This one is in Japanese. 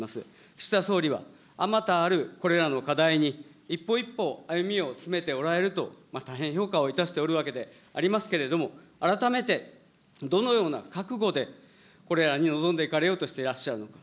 岸田総理は、あまたあるこれらの課題に、一歩一歩歩みを進めておられると、大変評価をいたしておるわけでありますけれども、改めてどのような覚悟で、これらに臨んでいかれようとしてらっしゃるのか。